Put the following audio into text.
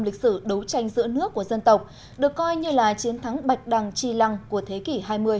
lịch sử đấu tranh giữa nước của dân tộc được coi như là chiến thắng bạch đằng chi lăng của thế kỷ hai mươi